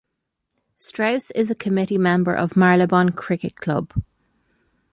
Strauss is a Committee Member of Marylebone Cricket Club.